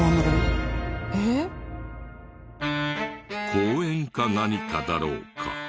公園か何かだろうか？